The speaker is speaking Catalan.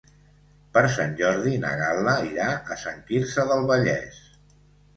Per Sant Jordi na Gal·la irà a Sant Quirze del Vallès.